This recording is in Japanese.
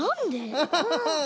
フフフフ。